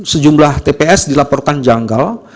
sejumlah tps dilaporkan janggal